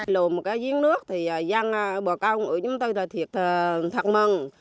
lùm một cái viên nước thì dân bộ công ở chúng tôi là thiệt thật mừng